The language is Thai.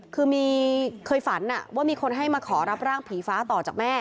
คือเคยฝันว่ามีคนให้มาขอรับร่างผีฟ้าต่อจากแม่